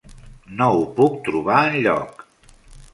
No ho puc trobar enlloc.